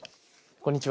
こんにちは。